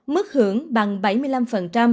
mức hưởng bằng bảng